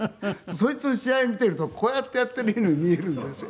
そいつの試合見ているとこうやってやっているように見えるんですよ。